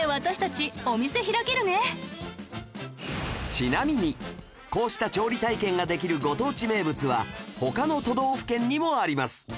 ちなみにこうした調理体験ができるご当地名物は他の都道府県にもあります